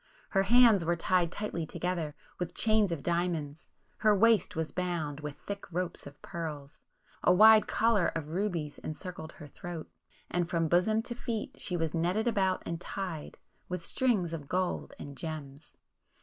Her hands were tied tightly together,—with chains of diamonds; her waist was bound,—with thick ropes of pearls;—a wide collar of rubies encircled her throat;—and from bosom to feet she was netted about and tied,—with strings of gold and gems.